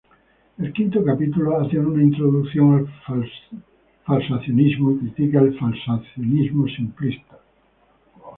El quinto capítulo hace una introducción al falsacionismo y critica el falsacionismo simplista.